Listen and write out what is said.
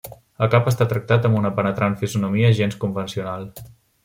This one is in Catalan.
El cap està tractat amb una penetrant fisonomia gens convencional.